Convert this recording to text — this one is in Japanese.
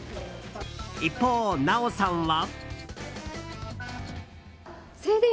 一方、奈緒さんは。